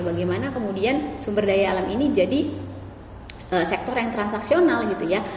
bagaimana kemudian sumber daya alam ini jadi sektor yang transaksional gitu ya